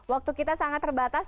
waktu kita sangat terbatas